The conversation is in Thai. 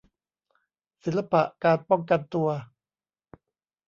ศิลปะการป้องกันตัว